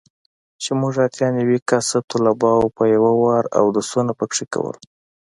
چې موږ اتيا نوي کسه طلباو به په يو وار اودسونه پکښې کول.